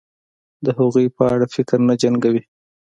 د هغوی په اړه فکر نه جنګوي